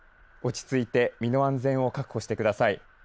落ち着いて、身の安全を確保してください。